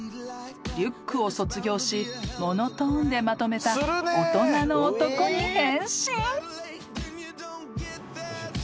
［リュックを卒業しモノトーンでまとめた大人の男に変身］